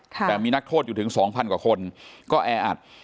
แต่มีนักโทษอยู่ถึง๒๐๐กว่าคนก็แออัด